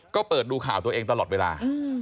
ก็เปิดดูข่าวตัวเองตลอดเวลา